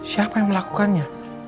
siapa yang melakukannya